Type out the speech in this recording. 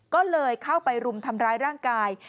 ก็เลยเข้าไปรุมทำร้ายร่างกาย